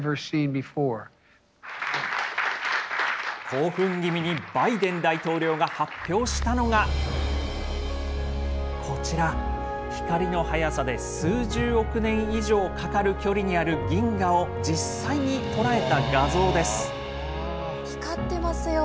興奮気味にバイデン大統領が発表したのが、こちら、光の速さで数十億年以上かかる距離にある銀河を実際に捉えた画像光ってますよ。